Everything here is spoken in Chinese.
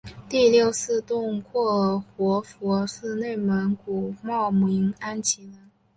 第六世洞阔尔活佛是内蒙古茂明安旗人。